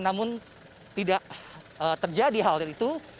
namun tidak terjadi hal dari itu